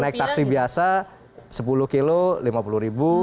naik taksi biasa sepuluh kilo rp lima puluh ribu